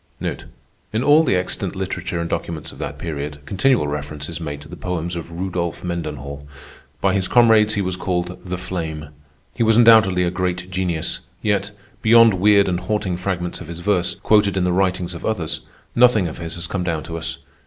In all the extant literature and documents of that period, continual reference is made to the poems of Rudolph Mendenhall. By his comrades he was called "The Flame." He was undoubtedly a great genius; yet, beyond weird and haunting fragments of his verse, quoted in the writings of others, nothing of his has come down to us.